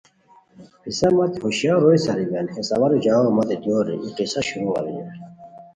پِیسہ مت ہوشیار روئے ساریمیان ہے سوالو جوابو مت دیور رے ای قصہ شروغ اریر